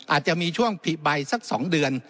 อาจจะมีช่วงผลิใบสัก๒เดือน